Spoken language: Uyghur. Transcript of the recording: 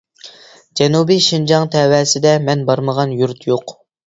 جەنۇبىي شىنجاڭ تەۋەسىدە مەن بارمىغان يۇرت يوق.